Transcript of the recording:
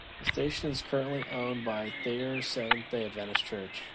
The station is currently owned by Thayer Seventh-day Adventist Church.